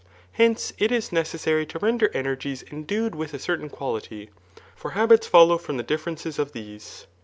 Hence» it is necessary to render energies endued with a certain quality { for habits follow from the differ.* qiQe? of these.